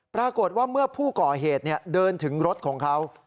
ปรากฏว่าเมื่อผู้ก่อเหตุเดินถึงรถของเขา